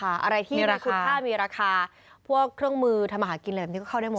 อะไรที่คุณค่ามีราคาพวกเครื่องมือทำอาหารกินอะไรแบบนี้ก็เข้าได้หมด